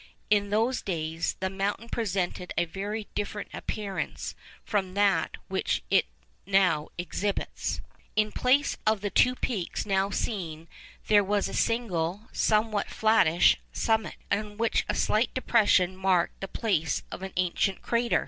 In those days, the mountain presented a very different appearance from that which it now exhibits. In place of the two peaks now seen, there was a single, somewhat flattish summit, on which a slight depression marked the place of an ancient crater.